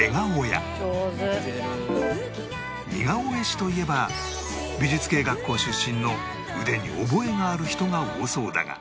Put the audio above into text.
似顔絵師といえば美術系学校出身の腕に覚えがある人が多そうだが